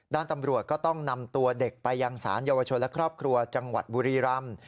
ด้านตำรวจก็ต้องนำตัวเด็กไปยังสารเยาวชนและครอบครัวจังหวัดบุรีรำ